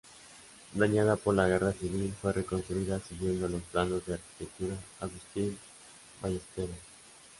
Dañada por la Guerra Civil, fue reconstruida siguiendo los planos del arquitecto Agustín Ballesteros.